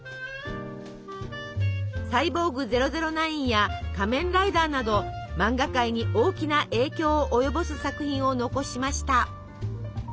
「サイボーグ００９」や「仮面ライダー」など漫画界に大きな影響を及ぼす作品を残しました。